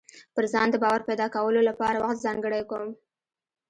پر ځان د باور پيدا کولو لپاره وخت ځانګړی کوم.